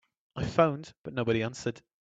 I phoned but nobody answered.